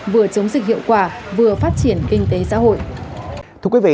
vừa chống dịch hiệu quả vừa phát triển kinh tế xã hội